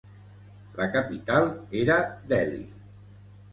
La capital era Delhi.